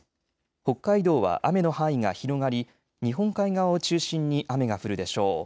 北海道は雨の範囲が広がり日本海側を中心に雨が降るでしょう。